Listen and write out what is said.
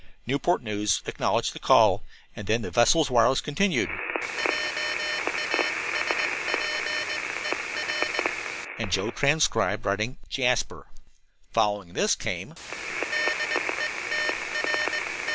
Newport News acknowledged the call, and then the vessel's wireless continued: .......... And Joe, transcribing, wrote: "JASPER." Following this came